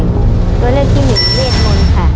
ตัวเลือกที่หนึ่งเวทมนต์ค่ะ